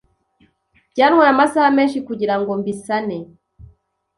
Byantwaye amasaha menshi kugirango mbisane.